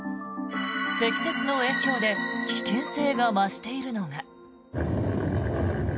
積雪の影響で危険性が増しているのが。